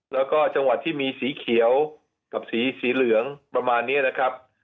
แล้วก็จังหวัดที่มีสีเขียวกับสีเหลืองประมาณนี้นะครับ